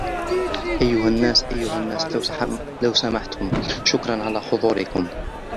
أيها الناس! أيها الناس ، لو سمحتم! شكرًا على حضوركم.